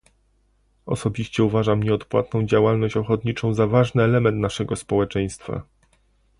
Osobiście uważam nieodpłatną działalność ochotniczą za ważny element naszego społeczeństwa